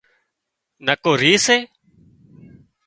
نڪو ريهه سي